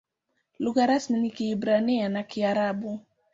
Lugha rasmi ni Kiebrania na Kiarabu.